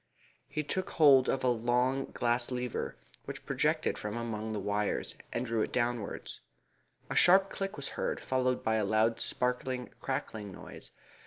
He took hold of a long glass lever which projected from among the wires, and drew it downwards. A sharp click was heard, followed by a loud, sparkling, crackling noise.